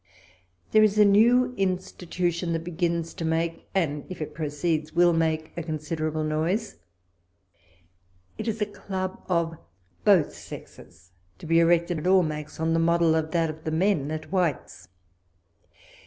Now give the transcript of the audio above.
There is a new institution that begins to make, and if it proceeds, will make a considerable noise. It is a club of both sexes to be erected at Almack's, on the model of that of the men of White's.